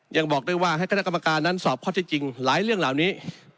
ยังบอกด้วยว่าให้คณะกรรมการนั้นสอบข้อที่จริงหลายเรื่องเหล่านี้